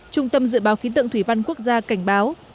trung tâm dự báo khí tượng thủy văn quốc gia cảnh báo